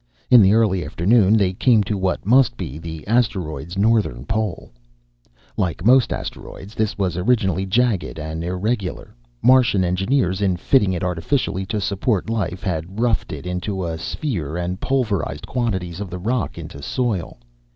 In the early afternoon they came to what must be the asteroid's northern pole. Like most of the asteroids, this was originally jagged and irregular. Martian engineers in fitting it artificially to support life, had roughed it into a sphere and pulverized quantities of the rock into soil.